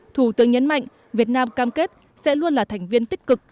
thủ tướng nhấn mạnh việt nam cam kết sẽ luôn là thành viên tích cực